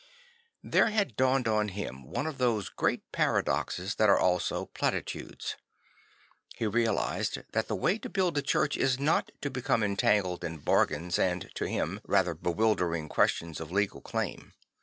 There had dawned on him one of those great paradoxes that are also platitudes. He realised that the way to build a church is not to become entangled in bargains and, to him, rather bewildering questions of legal claim.